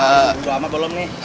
udah lama belum nih